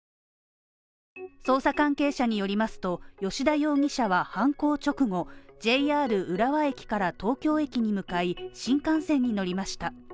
捜査関係者によりますと葭田容疑者は犯行直後、ＪＲ浦和駅から東京駅に向かい、新幹線に乗りました。